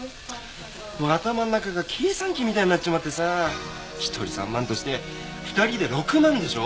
もう頭の中が計算機みたいになっちまってさ１人３万として２人で６万でしょ？